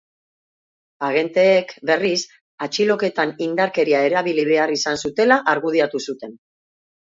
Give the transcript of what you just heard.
Agenteek, berriz, atxiloketan indarkeria erabili behar izan zutela argudiatu zuten.